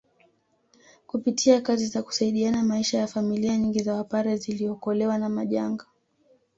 Kupitia kazi za kusaidiana maisha ya familia nyingi za Wapare ziliokolewa na majanga